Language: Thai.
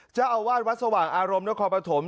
จะเอาวาดวัดสว่างอารมณ์และความประถม